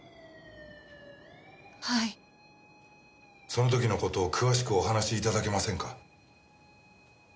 その時の事を詳しくお話し頂けませんか？